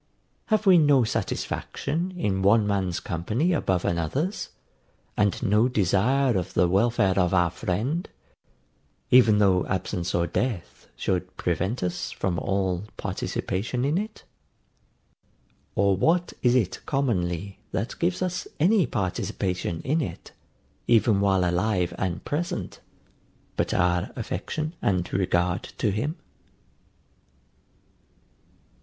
Have we no satisfaction in one man's company above another's, and no desire of the welfare of our friend, even though absence or death should prevent us from all participation in it? Or what is it commonly, that gives us any participation in it, even while alive and present, but our affection and regard to him?